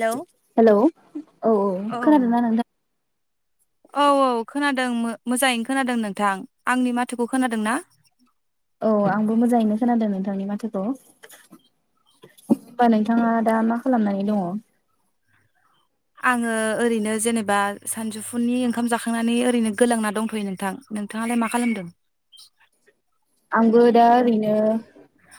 Hello hello औ औ खोनादों ना नोंथां? औ औ खोनादों मो-मोजाङैनो खोनादों नोंथां आंनि माथोखौ खोनादों ना? औ आंबो मोजाङैनो खोनादों नोंथांनि माथोखौ होनबा नोंथाङा दा मा खालामनानै दङ? आङो ओरैनो जेनेबा सानजौफुनि ओंखाम जाखांनानै ओरैनो गोलांना दंथ'यो नोंथां नोंथाङालाय मा खालामदों? आंबो दा ओरैनो मा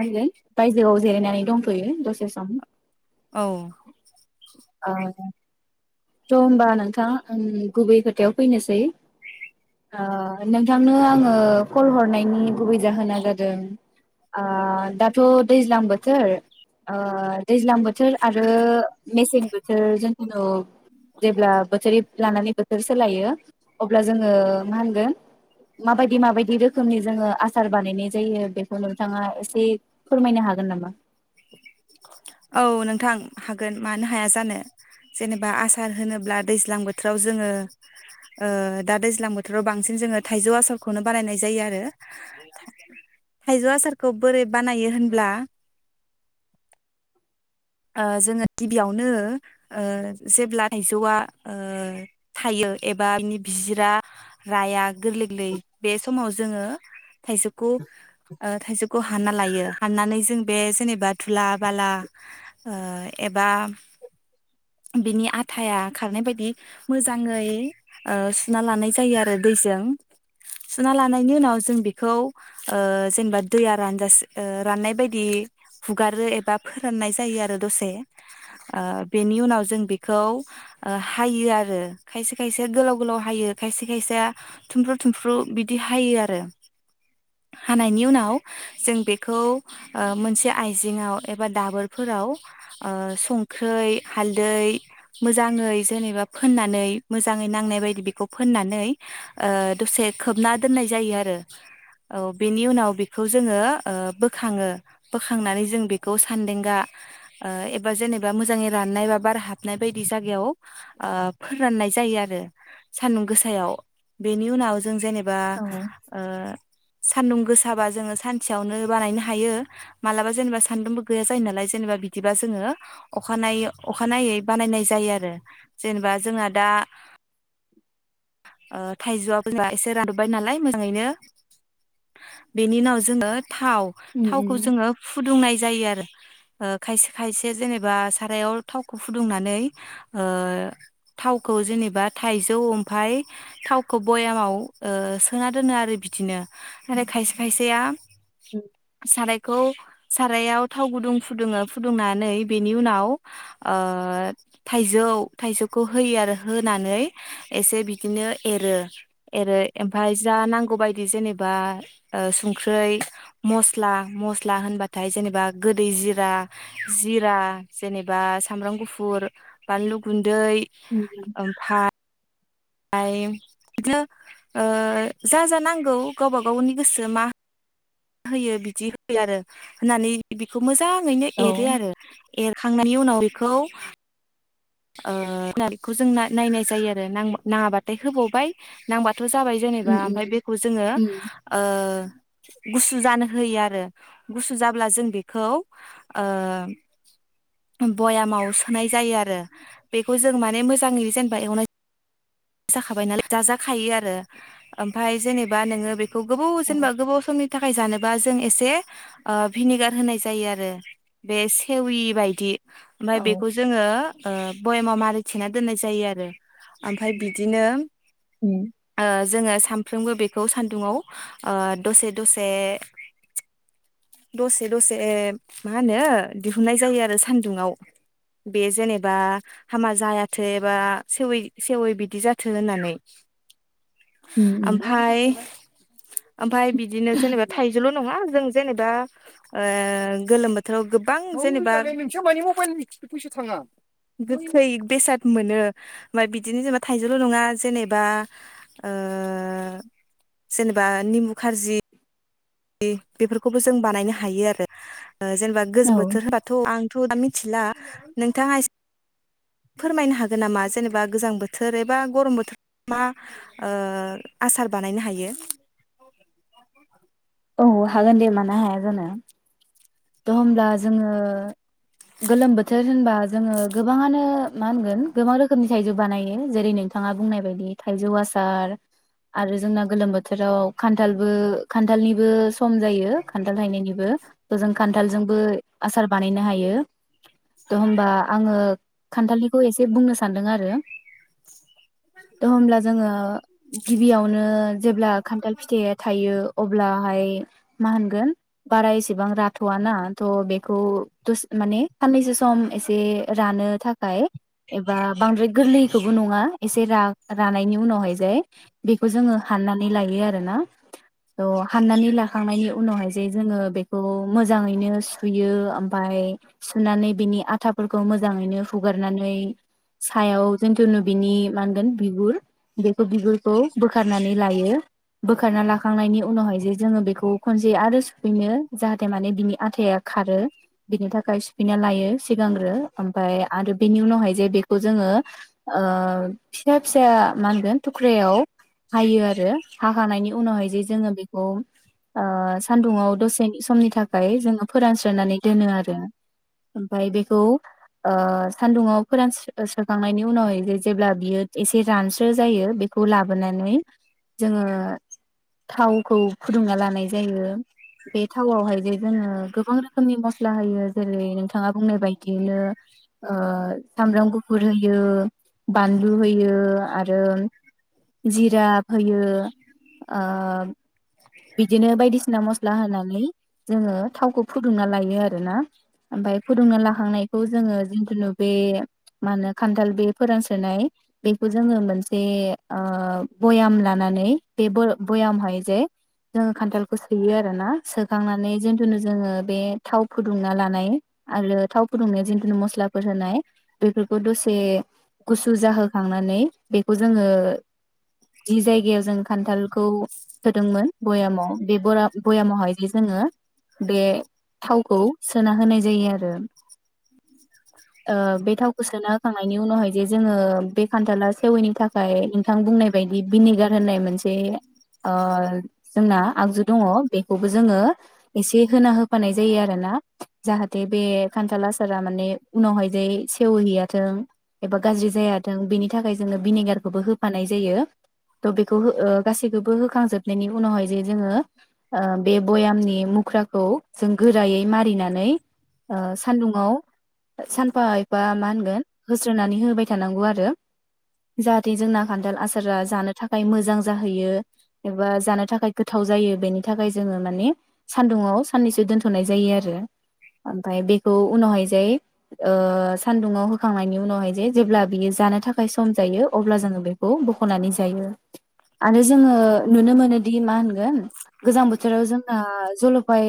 होनगोन बायजोआव जिरायनानै दंथ'यो दसे सम। औ ओ थ' होमबा नोंथां आं गुबै खोथायाव फैनोसै ओ नोंथांनो आङो कल हरनायनि गुबै जाहोना जादों ओ दाथ' दैज्लां बोथोर ओ दैज्लां बोथोर आरो मेसें बोथोर जों फिनोब जेब्ला बोथोरैब लानानै बोथोर सोलायो अब्ला जोङो मा होनगोन माबायदि माबायदि रोखोमनि जोङो आसार बानायनाय जायो बेखौ नोंथाङा एसे फोरमायनो हागोन नामा? औ नोंथां हागोन मानो हाया जानो जेनेबा आसार होनोब्ला दैज्लां बोथोराव जोङो ओ दा दैज्लां बोथोराव बांसिन जोङो थाइजौ आसारखौनो बानायनाय जायो आरो थाइ थाइजौ आसारखौ बोरै बानायो होनब्ला ओ जोङो गिबियावनो ओ जेब्ला थाइजौआ ओ थायो एबानि बिजिरा राया गोरलै लै बे समाव जोङो थाइजौखौ ओ थाइजौखौ हानना लायो हाननानै जों बे जेनेबा धुला बाला ओ एबा बिनि आथाया खारनाय बायदि मोजाङै ओ सुना लानाय जायो आरो दैजों सुना लानायनि उनाव जों बेखौ ओ जेनेबा दैया रानजास ओ राननाय बायदि हुगारो एबा फोराननाय जायो आर रो दसे ओ बेनि उनाव जों बेखौ ओ हायो आरो खायसे खायसे गोलाव गोलाव हायो खायसे खायसेया थुमफ्रु थुमफ्रु बिदि हायो आरो हानायनि उनाव जों बेखौ ओ मोनसे आइजेङाव एबा दाबोरफोराव ओ संख्रै, हालदै मोजाङै जेनेबा फोननानै मोजाङै नांनाय बायदि बेखौ फोननानै ओ दसे खोबना दोननाय जायो आरो औ बेनि उनाव बेखौ जोङो ओ बोखाङो बोखांनानै जों बेखौ सान्देंगा ओ एबा जेनेबा मोजाङै राननाय बा बार हाबनाय बायदि जागायाव ओ फोराननाय जायो आरो सान्दुं गोसायाव बेनि उनाव जों जेनेब बा औ ओ सान्दुं गोसाबा जोङो सानसेयावनो बानायनो हायो मालाबा जेनेबा सान्दुंबो गैया जायो नालाय जेनेबा बि बिदिबा जोङो अखानायै अखानायै बानायनाय जायो आरो जेनेबा जोंहा दा ओ थाइजौआबो जेनेबा एसे रानबोबाय नालाय मोजाङैनो बेनि उनाव जोङो थाव उम थावखौ उम जोङो फुदुंनाय जायो आरो ओ खायसे खायसे जेनेबा सारायाव थावखौ फुदुंनानै ओ थावखौ जेनेबा थाइजौ ओम ओमफाय थावखौ बयामाव ओ सोना दोनो आरो बिदिनो आरो खायसे खायसेया साराय खौ सारायाव थाव गुदुं फुदुङो फुदुंनानै बेनि उनाव ओ थाइजौ थाइजौखौ होयो आरो होनानै एसे बिदिनो एरो एरो ओमफाय जा नांगौ बायदि जेनेबा ओ संख्रै, मस्ला मस्ला होनबाथाय जेनेबा गोदै जिरा, जिरा जेनेबा सामब्राम गुफुर बानलु गुन दै उम ओमफाय पाइम इदिनो ओ जा जा नांगौ गावबा गावनि गोसो मा होयो बिदि होयो आरो होननानै बिखौ मोजां यैनो औ एरो आरो एरखांनायनि उनाव बेखौ ओ ब्ला बेखौ जोंना नायनाय जायो आरो नांअ नाङाबाथाय होबावबाय नांबा बेथ' जाबाय जेनेबा उम ओमफाय उम बेखौ जोङो उम ओ गुसु जानो होयो आरो गुसु जाब्ला जों बेखौ ओ बयामाव सोनाय जायो आरो बेखौ जों माने मोजांङैनो जेनेबा एवनाय जाखाबाय नालाय जाजाखायो आरो ओमफ्राय जेनेबा नोंङो बे गोबाव औ जेनेबा गोबाव समनि थाखाय जानोबा जों एसे भिनिगार होनाय जायो आरो बे सेवि बायदि ओमफाय औ बेखौ जोंङो भयेमा मारि थेना दोननाय जायो आरो ओमफाय बिदिनो अम। जोंङो सानफ्रोमबो बेखौ सान्दुङाव दसे- दसे दसे -दसे मा होनो दिहुननाय जायो आरो सान्दुाव बे जेनेबा हामा जायाथो एबा सेवै सेवै बिदि जाथों होननानै। उम उम ओमफाय ओमफाय बिदिनो जेनेबा थाइजौल नंङा जों जेनेबा गोलोम बोथोराव गोबां जेनेबाैसा थांङा गोखै बेसाद मोनो ओमफ्राय बिदिनो जेनेबा थाइजौल नंङा जेनेबा- जेनेबा निमबु खारजि बेफोरखौबो जों बानायनो हायो आरो जेनेबा गोजां औ बोथोर होबाथ आंथ दा मिथिला। नोंथाङा इसे फोरमायनो हागोन नामा जेनेबा गोजां बोथोर एबा गरम बोथोराव मा आसार बानायनो हायो। औ हागोन दे मानो हाया जानो द होमब्ला जोंङो गोलोम बोथोर होनबा जोंङो गोबाङानो मा होनगोन गोबां रोखोमनि थाइजौ बानायो जेरै नोंथाङा बुंनाय बायदि थाइजौ आसार आरो जोंना गोलोम बोथोराव खान्थालबो खान्थाल खान्थालनिबो सम जायो खान्थाल थायनायनिबो थ जों खान्थालजोंबो आसार बानायनो हायो। द होमबा आंङो खान्थालनिखौ एसे बुंनो सान्दों आरो दा होमब्ला जोंङो गिबियावनो जेब्ला खान्थाल फिथाइया थायो अब्लाहाय मा होनगोन बारा एसेबां राथ'व ना थ' बेखौ दसे माने साननैसो सम एसे रानो थाखाय थाखाय एबा बांद्राय गोरलैखौबो नंङा एसे रानायनि उनावहाय जाय बेखौ जोंङो हाननानै लायो आरो ना। दं हाननानै लाखांनायनि उनावहाय जे जोङो बेखौ मोजाङैनो सुयो ओमफ्राय सुनानै बिनि आथाफोरखौ मोजांङैनो हुगारनानै सायाव जोंथुनु बिनि मा होनगोन बिगुर बेखौ बिगुरखौ बोखारनानै लायो बोखारना लाख सुखांनायनि उनावहाय जे जोंङो बेखौ खनसे आरो सुफिनो जाहाथे माने बिनि आथाया खारो बिनि थाखाय सुफिना लायो सिगांग्रो ओमफाय आरो बेनि उनावहाय जे बेखौ जोंङो ओ फिसा फिसा मानगोन थुख्रायाव हायो आरो हाखांनायनि उनावहाय जे जोंङो बेखौ ओ सान्दुुङाव दसेनि समनि थाखाय जोङो फोरानस्रोनानै दोनो आरो ओमफाय बेखौ ओ सान्दुाव फोरानस्रो-स्रोखांनायनि उनावहाय जे जेब्ला बियो एसे रानस्रो जायो बेखौ लाबोनानै जोङो थावखौ फुदुंना लानाय जायो बे थावआवहाय जे जोंङो गोबां रोखोमनि मस्ला होयो जेरै नोंथाङा बुंनाय बाय दिनो ओ सामब्राम गुफुर होयो बानलु होयो आरो जिरा होयो। ओ बिदिनो बायदिसिना मस ला होनानै जोंङो थावखौ फुदुंना लायो आरोना ओमफ्राय फुदुंना लाखांनायखौ जोंङो जिथुुनु बे मा होनो खान्थाल बे फोरानस्रोनाय बेखौ जोंङो मोनसे ओ बयाम लानानै बे ब-बयामहाय जे जोंङो खान्थालखौ सोयो आरो ना सोखांनानै जिन्थुुनु जोंङो बे थाव फुदुंना लानाय आरो थाव फुदुंनायाव जिन्थुुनु मस्लाफोर होनाय बेफोरखौ दसे गुसु जाहोखांनानै बेखौ जोंङो जि जायगायाव जों खान्थालखौ होदोंमोन भयामाव बेे बरा भयामावहाय जे जोंङो बे थावखौ सोना होनाय जायो आरो ओ बे थावखौ सोना होखांनायनि उनावहाय जे जोंङो बे खान्थाला सेवैनि थाखाय नोंथां बुंनाय बायदि भिनेगार होननाय मोनसे ओ जोंना आगजु दङ बेखौबो जोङो एसे होना होफानाय जायो आरोना जाहाथे बे खान्थाल आसारा माने उनावहाय जे सेवहै-हैयाथों एबा गाज्रि जायाथों बेनि थाखाय जोनो भिनेगार बो होफानाय जायो थ' बेखौ हो ओ गासैखौबो होखांजोबनायनि उन उनावहाय जे जोङो ओ बे बयामनि मुख्राखौ जों गोरायै मारिनानै ओ सानदुंङाव सानफा एफा मा होनगोन होस्रोनानै होबाय थानांगौ आरो जाहाथे जोंना खान्थाल आसारा जानो थाखाय मोजां जाह हैयो एबा जानो थाखाय गोथाव जायो बेनि थाखाय जोङो माने सानदुुङाव सानैसो दोनथ'नाय जायो आरो ओमफाय बेखौ उनावहाय जे ओ सान्दुङाव होखांनायनि उनावहाय जे जेब्ला बिनि जानो थाखाय सम जायो अब्ला जोङो बे खौ बख'नानै जायो आरो जोङो नुनो मोनो दि मा होनगोन गोजां बोथोराव जोंना जलपाय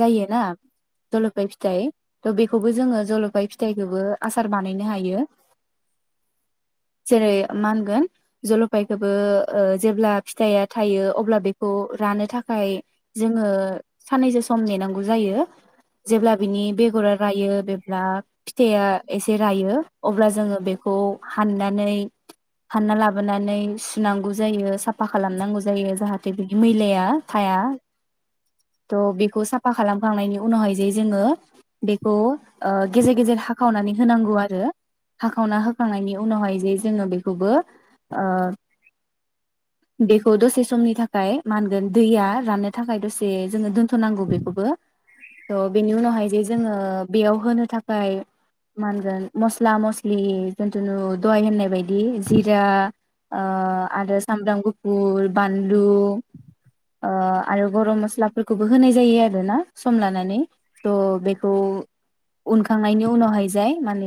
जायोना जलपाय फिथाय बेखौबो जोङो जलपाय फिथायखोबो आसार बानायनो हायो जेरै मा होनगोन जलपायखोबो ओ जेब्ला फिथाया थायो अब अब्ला बेखौ रानो थाखाय जोङो सान्नैसो सम नेनांगौ जायो जेब्ला बिनि बेगरा रायो जेब्ला फिथाइया एसे रायो अब्ला जोङो बेखौ हाननानै हानना लाबोनानै सुनांगौ जायो साफा खालामनांगौ जायो जाहाथे बिदि मैलाया थाया थ' बेखौ साफा खालामखांनायनि उनावहाय जे जोङो बेखौ ओ गेजेर गेजेर हाखावनानै होनांगौ आरो हाखावना होखांनायनि उनावहाय जे जोङो बेखौबो ओ बेखौ दसे समनि थाखाय ओमफाय मा होनगोन दैया राननो थाखाय दसे जोङो दोनथ'नांगौ बेखौबो थ' बेनि उनावहाय जे जोङो बेयाव होनो थाखाय मा होनगोन मस्ला मस्लि जिथुनु दहाय होननाय बायदि जिरा ओ आरो सामब्राम गुफुर बानलु लु ओ आरो गरम मस्लाफोरखौबो होनाय जायो आरो ना सम लानानै थह बेखौ उनखांनायनि उनावहाय जाय मान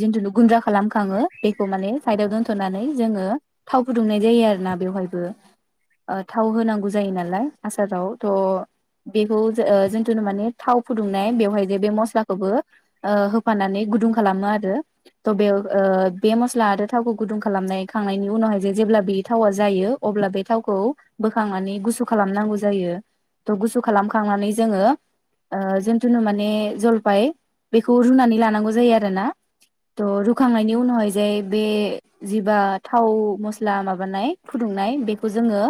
जिथुुनु गुन्द्रा खालाम खाङो बेखौ माने साइदाव दोनथ'नानै जोङो थाव फुदुंनाय जायो आरो ना बेवहायबो ओ थाव होनांगौ जायो नालाय आसाराव थ' बेखौ जो ओ जोथुु माने थाव फुदुंनाय बेवहाय जे बे मस्लाखौबो ओ होफानानै गुदुं खालामो आरो थ बे ओ बे मस्ला आरो थावखौ गुदुं खालामनाय खांनायनि उनावहाय जे जेब्ला बे थावा जायो अब्ला बे थावखौ बोखांनानै गुसु खालामनांगौ जायो तह गुसु खालामखांनानै जोङो ओ जिन्थुनु माने जलफाय बेखौ रुनानै लानांगौ जायो आरोना थह रुखांनायनि उनावहाय जाय बे जिबा थाव मस्ला माबानाय फुदुंनाय बेखौ जोङो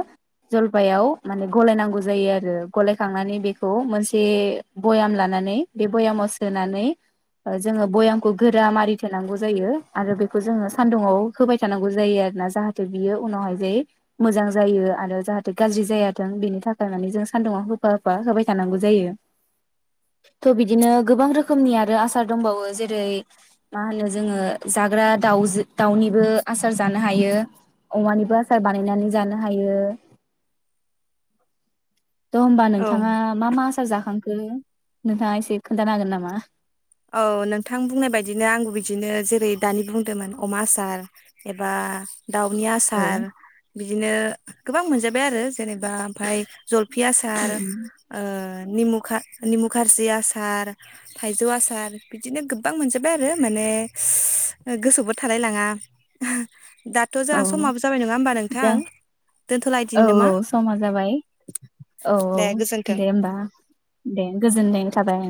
जलफायाव माने गलायनांगौ जायो आरो गलायखांनानै बेखौ मोनसे बयाम लानानै बे बयामाव सोनानै ओ जोङो बयामखौ गोरा मारिथोनांगौ जायो आरो बेखौ जोङो सान्दुङाव होबाय थानांगौ जायो आरोना जाहाथे बियो उनावहाय जे मोजां जायो आरो जाहाथे गाज्रि जायाथों बेनि थाखाय माने जों सान्दुुंआव होफा होफा होबाय थानांगौ जायो थ' बिदिनो गोबां रोखोमनि आरो आसार दंबावो जेरै मा होनो जोङो जाग्रा दावजो दाउनिबो आसार जानो हायो अमानिबो आसार सार बानायनानै जानो हायो। थ होमबा औ नोंथाङा मा मा आसार जाखां हो नोंथाङा एसे खोन्थानो हागोन नामा? औ नोंथां बुंनाय बायदिनो आंबो बिदिनो जेरै दानि बुंदोंमोन अमा आसार एबा दाउनि औ आसार बिदिनो गोबां मोनजाबाय आरो जेनेबा ओमफ्राय जल पिआसार ओ निमुखा निमु खारजि आसार थाइजौ आसार सार बिदिनो गोबां मोनजोबबाय आरो माने गोसोबो थालाय लाङा दाथ' औ जोंहा समाबो जाबाय नङा होमबा दा नोंथां औ दोनथ'लायदिनि नामा औ समा जाबाय औ औ दे गोजोन्थों दे होमबा दे गोजोननाय थाबाय